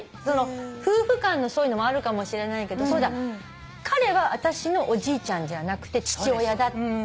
その夫婦間のそういうのもあるかもしれないけどそうだ彼は私のおじいちゃんじゃなくて父親だ。